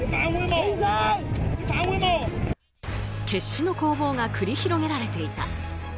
決死の攻防が繰り広げられていた。